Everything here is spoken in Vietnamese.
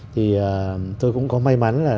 thì tôi cũng có may mắn là